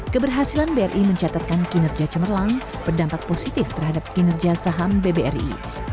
keberhasilan bri mencatatkan kinerja cemerlang berdampak positif terhadap kinerja saham bbri